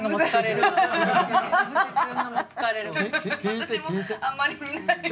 私もあんまり見ないように。